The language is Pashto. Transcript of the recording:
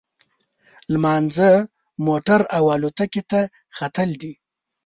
لمانځه، موټر او الوتکې ته ختل دي.